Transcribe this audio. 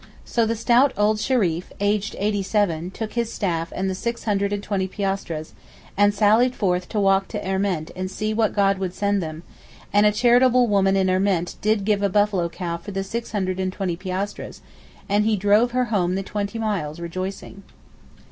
So the stout old Shereef (aged 87) took his staff and the six hundred and twenty piastres, and sallied forth to walk to Erment and see what God would send them; and a charitable woman in Erment did give a buffalo cow for the six hundred and twenty piastres, and he drove her home the twenty miles rejoicing.